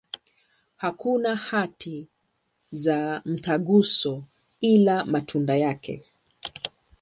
Hakuna hati za mtaguso, ila matunda yake.